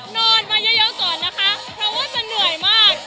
นอนมาเยอะก่อนนะคะเพราะว่าจะเหนื่อยมาก